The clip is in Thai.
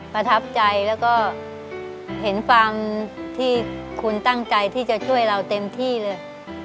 ประทับใจแล้วก็เห็นความที่คุณตั้งใจที่จะช่วยเราเต็มที่เลย